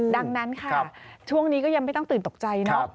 ดังนั้นค่ะช่วงนี้ก็ยังไม่ต้องตื่นตกใจเนอะ